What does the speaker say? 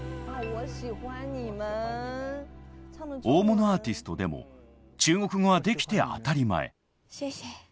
大物アーティストでも中国語はできて当たり前。